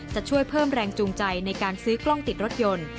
จะช่วยเพิ่มแรงจูงใจในการซื้อกล้องติดรถยนต์